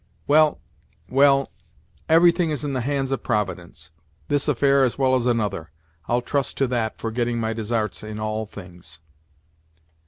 Well, well, everything is in the hands of Providence; this affair as well as another; I'll trust to that for getting my desarts in all things."